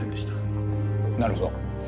なるほど。